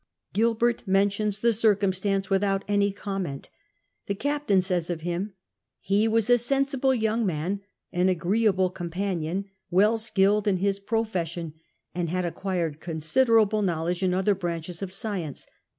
Gilbert mentions the circumstance without any comment. The c.aptain says of him; "He was a sensible young man, an agreeable companion, well skilled in his own profession, and had acquired con sideralile knowledge in other Iminchcs of science.